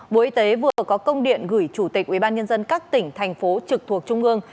bộ y tế vừa có công điện gửi chủ tịch ubnd các tỉnh thành phố trực thuộc trung ương